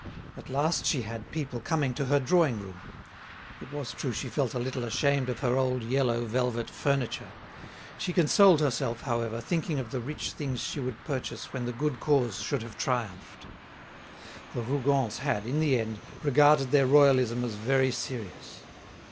At last she had people coming to her drawing room. It was true she felt a little ashamed of her old yellow velvet furniture. She consoled herself, however, thinking of the rich things she would purchase when the good cause should have triumphed. The Rougons had, in the end, regarded their royalism as very serious.